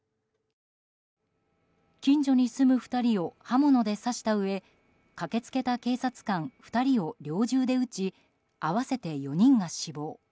近所に住む２人を刃物で刺したうえ駆けつけた警察官２人を猟銃で撃ち合わせて４人が死亡。